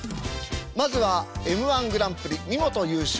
まずはＭ−１グランプリ見事優勝。